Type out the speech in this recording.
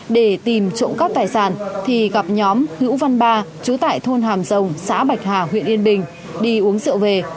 để tìm trộm cắp tài sản thì gặp nhóm hữu văn ba trú tại thôn hàm rồng xã bạch hà huyện yên bình đi uống rượu về